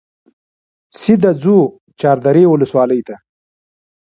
سیده ځو چاردرې ولسوالۍ ته.